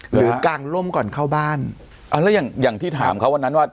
กลางล่มก่อนเข้าบ้านเอาแล้วอย่างอย่างที่ถามเขาวันนั้นว่า